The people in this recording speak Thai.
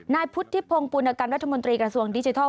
นายพุทธิพงศ์ปุณกรรมรัฐมนตรีกระทรวงดิจิทัล